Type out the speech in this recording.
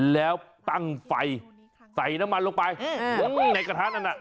แล้วตั้งไฟใส่น้ำมันลงไปในกระทะนั่นน่ะ